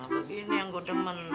begini yang gue demen